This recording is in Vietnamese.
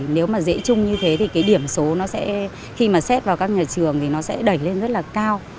nếu mà dễ chung như thế thì cái điểm số nó sẽ khi mà xét vào các nhà trường thì nó sẽ đẩy lên rất là cao